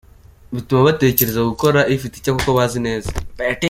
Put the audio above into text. Bituma batekereza gukora ifite icya kuko bazi neza.